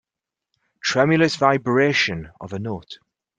Tremulous vibration of a note